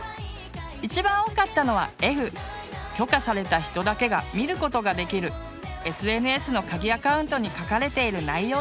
一番多かったのはＦ許可された人だけが見ることができるＳＮＳの鍵アカウントに書かれている内容でした。